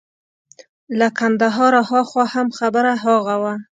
له کندهاره هاخوا هم خبره هماغه وه.